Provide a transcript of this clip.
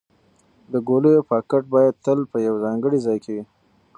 د ګولیو پاکټ باید تل په یو ځانګړي ځای کې وي.